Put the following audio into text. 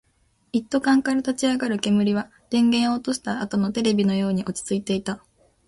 一斗缶から立ち上る煙は、電源を落としたあとのテレビのように落ち着いていた